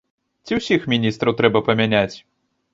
Ці ўсіх міністраў трэба памяняць?